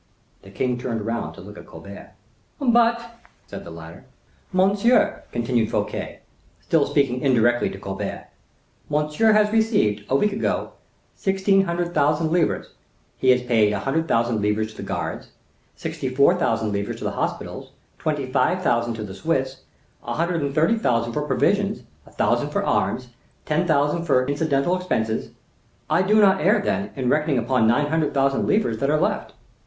The king turned round to look at Colbert. "But—" said the latter. "Monsieur," continued Fouquet, still speaking indirectly to Colbert, "monsieur has received, a week ago, sixteen hundred thousand livres; he has paid a hundred thousand livres to the guards, sixty four thousand livres to the hospitals, twenty five thousand to the Swiss, an hundred and thirty thousand for provisions, a thousand for arms, ten thousand for accidental expenses; I do not err, then, in reckoning upon nine hundred thousand livres that are left."